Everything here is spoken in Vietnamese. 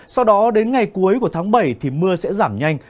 sau đó đến ngày cuối của tháng bảy thì mưa sẽ giảm nhanh